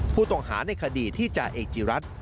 ผู้ต้องหาในคดีที่จ่าเอกจิรัตน์